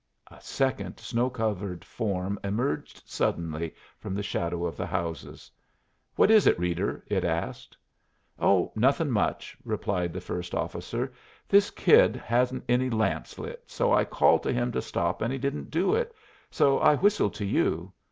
A second snow covered form emerged suddenly from the shadow of the houses. "What is it, Reeder?" it asked. "Oh, nothing much," replied the first officer. "This kid hadn't any lamps lit, so I called to him to stop and he didn't do it, so I whistled to you.